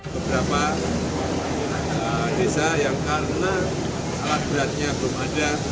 beberapa desa yang karena alat beratnya belum ada